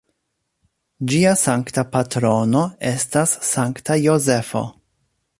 Ĝia sankta patrono estas Sankta Jozefo.